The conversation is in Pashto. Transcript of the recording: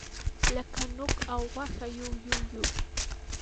لکه نوک او غوښه یو یو یوو.